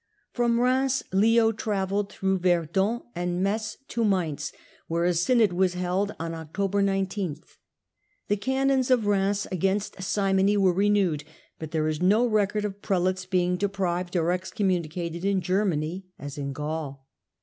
Prom Reims Leo travelled, through Verdun and Metz, to Mainz, where a synod was held on October 19. The canons of Reims against simony were renewed, but there is no record of prelates being deprived or excommunicated in Germany, as in Gaul.